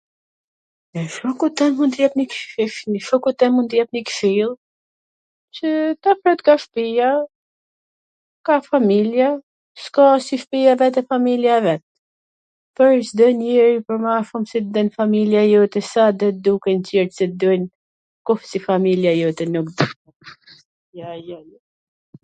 Shokut tem mund t i jap njw kshill qw t afrohet ka shpia, ka familje, s ka as si shpia e vet e familja e vet, pwr Cdo njeri pwr ma afwr se t del familja jote, sado duken tw tjert se tw dun, kush si familja jote nuk tw do, jo, jo...